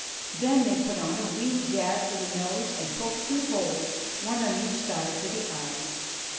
Then they put on a wee dab for the nose and poked two holes, one on each side, for the eyes.